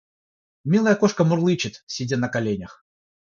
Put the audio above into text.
Милая кошка мурлычет, сидя на коленях.